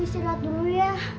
ibu istirahat dulu ya